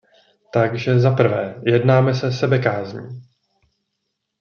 Takže za prvé, jednáme se sebekázní.